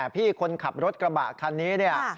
พี่คนขับรถกระบะคันนี้เนี่ย